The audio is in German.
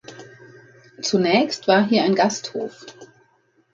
Zunächst war hier ein Gasthof.